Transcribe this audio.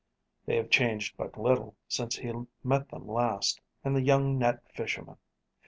They have changed but little since he met them last in "The Young Net Fishermen."